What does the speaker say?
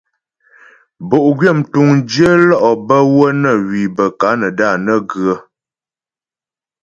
Bo'gwyə mtuŋdyə lɔ' bə́ wə́ nə hwi bə́ Kanada nə ghə.